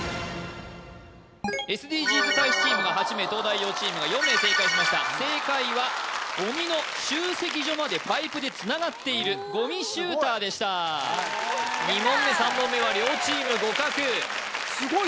ＳＤＧｓ大使チームが８名東大王チームが４名正解しました正解はゴミの集積所までパイプでつながっているゴミシューターでした２問目３問目は両チーム互角ねっ